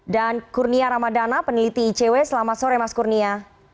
dan kurnia ramadana peneliti icw selamat sore mas kurnia